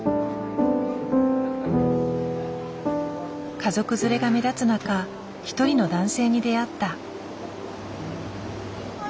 家族連れが目立つ中一人の男性に出会った。